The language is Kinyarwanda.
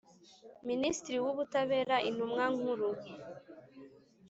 Minisitiri w Ubutabera Intumwa Nkuru